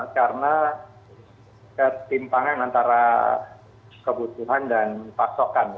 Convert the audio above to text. karena ketimpangan antara kebutuhan dan pasokan ya